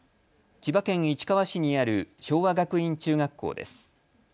千葉県市川市にある昭和学院中学校です。